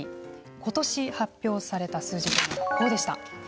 ことし発表された数字はこうでした。